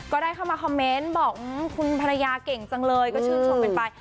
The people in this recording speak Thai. ก็ได้เข้ามาคอมเมนต์บอกคุณภรรยาเก่งจังเลยก็ชื่นชมกันไป